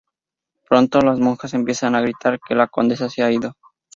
Pronto las monjas empiezan a gritar que la Condesa se ha ido.